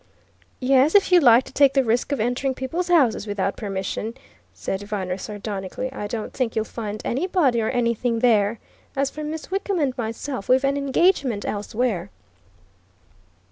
"Yes if you like to take the risk of entering people's houses without permission!" said Viner sardonically. "I don't think you'll find anybody or anything there. As for Miss Wickham and myself, we've an engagement elsewhere."